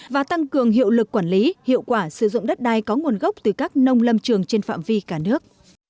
và tăng cường hiệu lực quản lý hiệu quả sử dụng đất đai có nguồn gốc từ các nông lâm trường trên phạm vi cả nước